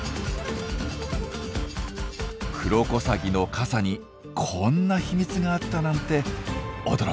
クロコサギの傘にこんな秘密があったなんて驚きです。